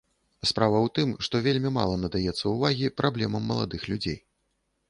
Справа ў тым, што вельмі мала надаецца ўвагі праблемам маладых людзей.